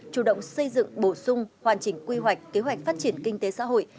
chủ động xây dựng bổ sung hoàn chỉnh quy hoạch kế hoạch phát triển kinh tế xã hội